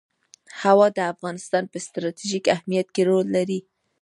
هوا د افغانستان په ستراتیژیک اهمیت کې رول لري.